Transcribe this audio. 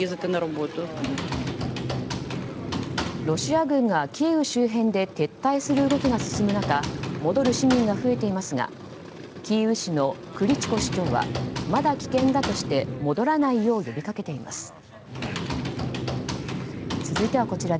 ロシア軍がキーウ周辺で撤退する動きが進む中戻る市民が増えていますがキーウ市のクリチコ市長はまだ危険だとして戻らないよう呼びかけています。